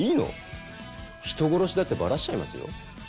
人殺しだってバラしちゃいますよ？